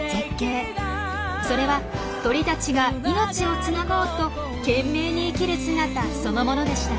それは鳥たちが命をつなごうと懸命に生きる姿そのものでした。